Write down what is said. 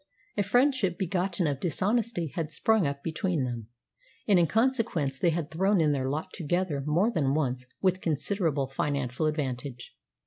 A friendship begotten of dishonesty had sprung up between them, and in consequence they had thrown in their lot together more than once with considerable financial advantage.